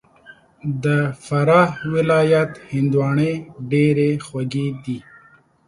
د فراه ولایت هندواڼې ډېري خوږي دي